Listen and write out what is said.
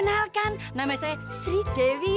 namanya saya sri dewi he